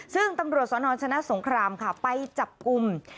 ซึ่งตำรวจสนชนะสงครามค่ะไปจับกลุ่ม